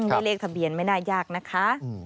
เลขทะเบียนไม่น่ายากนะคะ